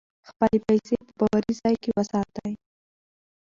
خپلې پیسې په باوري ځای کې وساتئ.